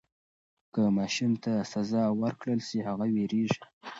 که ماشوم ته سزا ورکړل سي هغه وېرېږي.